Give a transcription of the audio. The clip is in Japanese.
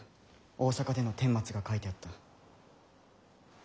大坂での顛末が書いてあった。